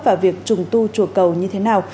và việc trùng tu chùa cầu như thế nào